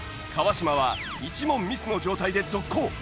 川島は１問ミスの状態で続行。